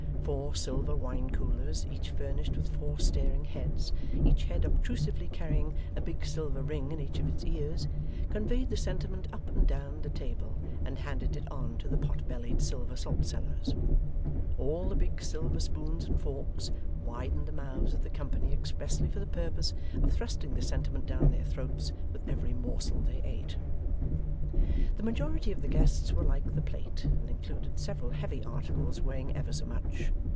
Four silver wine coolers, each furnished with four staring heads, each head obtrusively carrying a big silver ring in each of its ears, conveyed the sentiment up and down the table, and handed it on to the pot bellied silver salt cellars. All the big silver spoons and forks widened the mouths of the company expressly for the purpose of thrusting the sentiment down their throats with every morsel they ate. The majority of the guests were like the plate, and included several heavy articles weighing ever so much.